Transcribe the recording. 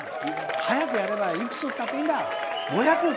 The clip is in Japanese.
早くやればいくつやったっていいんだ！